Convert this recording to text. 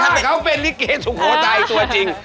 ถ้าเขาเป็นลิเกสุโขทัยตัวจริง